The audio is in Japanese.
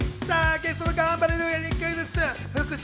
ゲストのガンバレルーヤにクイズッス。